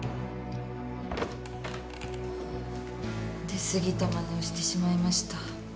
出過ぎたまねをしてしまいました。